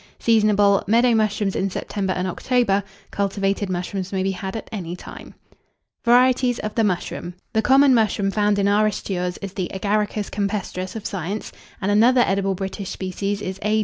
Seasonable. Meadow mushrooms in September and October; cultivated mushrooms may be had at any time. [Illustration: MUSHROOMS.] VARIETIES OF THE MUSHROOM. The common mushroom found in our pastures is the Agaricus campestris of science, and another edible British species is _A.